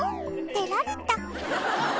出られた。